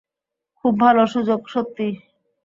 খুব ভালো সুযোগ, সত্যিই।